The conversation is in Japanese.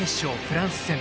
フランス戦。